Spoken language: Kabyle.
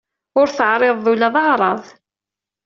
Ur teɛriḍeḍ ula d aɛraḍ.